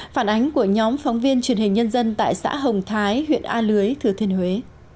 phản ánh của nhóm phóng viên truyền hình nhân dân tại xã hồng thái huyện a lưới thừa thiên huế